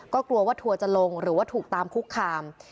ก็กลัวว่าทัวร์จะลงหรือว่าถูกตามคุกคาม